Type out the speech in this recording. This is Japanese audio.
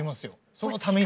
そのために。